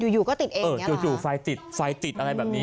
อยู่ก็ติดเองอยู่ไฟติดอะไรแบบนี้